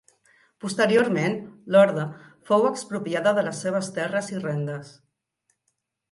Posteriorment l'Orde fou expropiada de les seves terres i rendes.